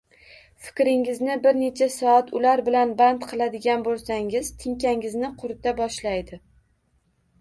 Fikringizni bir necha soat ular bilan band qiladigan boʻlsangiz, tinkangizni qurita boshlaydi